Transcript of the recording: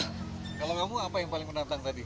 kalau kamu apa yang paling menantang tadi